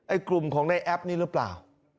กลุ่มของในแอปนี้หรือเปล่า